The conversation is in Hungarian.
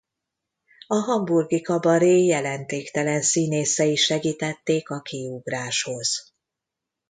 A hamburgi kabaré jelentéktelen színészei segítették a kiugráshoz.